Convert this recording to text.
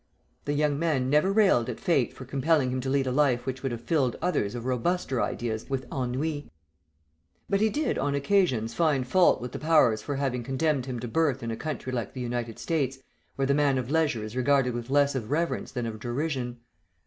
The young man never railed at fate for compelling him to lead a life which would have filled others of robuster ideas with ennui, but he did on occasions find fault with the powers for having condemned him to birth in a country like the United States, where the man of leisure is regarded with less of reverence than of derision.